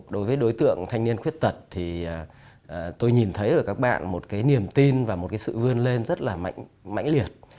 đối với đối tượng thanh niên khuyết tật thì tôi nhìn thấy ở các bạn một cái niềm tin và một cái sự vươn lên rất là mạnh liệt